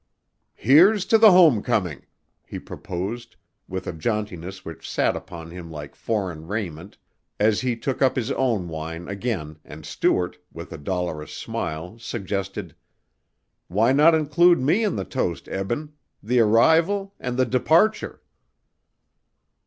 "Here's to the homecoming," he proposed with a jauntiness which sat upon him like foreign raiment as he took up his own wine again and Stuart, with a dolorous smile, suggested: "Why not include me in the toast, Eben? The arrival and the departure."